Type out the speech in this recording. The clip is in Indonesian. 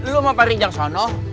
lu sama pak ridzang ke sana